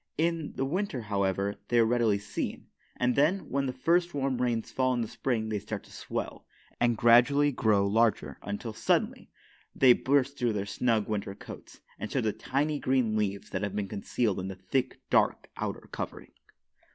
In the winter, however, they are readily seen; and, then, when the first warm rains fall in the spring they start to swell, and gradually grow larger until, suddenly, they burst through their snug winter coats, and show the tiny, green leaves that have been concealed in the thick, dark, outer covering.